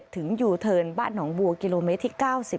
ถึงยูเทิร์นบ้านหนองบัวกิโลเมตรที่๙๐